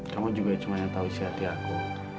kamu juga cuma yang tahu isi hati aku